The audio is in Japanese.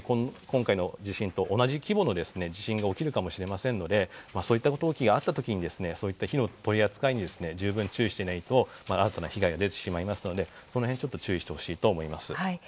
今回の地震と同じ規模の地震が起きるかもしれませんのでそういったことが起きた時火の取り扱いに十分注意しないと新たな被害が出てしまうのでその辺注意してほしいと思います。